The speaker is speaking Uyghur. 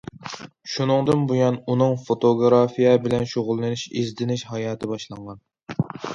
شۇنىڭدىن بۇيان، ئۇنىڭ فوتوگرافىيە بىلەن شۇغۇللىنىش، ئىزدىنىش ھاياتى باشلانغان.